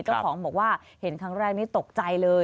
เจ้าของบอกว่าเห็นครั้งแรกนี้ตกใจเลย